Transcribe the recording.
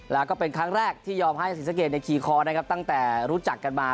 แล้วก็เป็นครั้งแรกที่ยอมให้ศรีสะเกดขี่คอนะครับตั้งแต่รู้จักกันมา